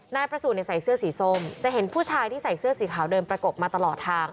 นายประสูจน์ใส่เสื้อสีส้มจะเห็นผู้ชายที่ใส่เสื้อสีขาวเดินประกบมาตลอดทาง